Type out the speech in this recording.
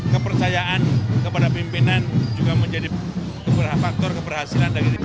kepercayaan kepada pimpinan juga menjadi faktor keberhasilan